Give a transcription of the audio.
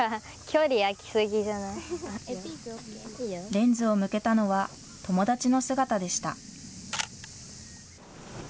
レンズを向けたのは友達の姿でした。